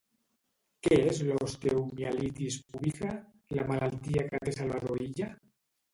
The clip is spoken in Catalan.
Què és l'osteomielitis púbica, la malaltia que té Salvador Illa?